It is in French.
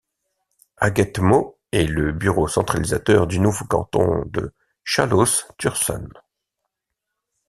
Hagetmau est le bureau centralisateur du nouveau canton de Chalosse Tursan.